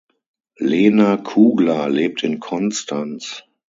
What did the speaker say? Lena Kugler lebt in Konstanz.